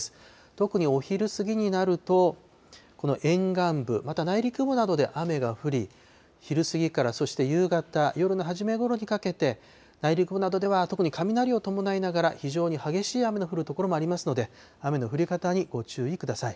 特にお昼過ぎになると、この沿岸部、また内陸部などで雨が降り、昼過ぎから、そして夕方、夜の初めごろにかけて、内陸部などでは、特に雷を伴いながら非常に激しい雨の降る所もありますので、雨の降り方にご注意ください。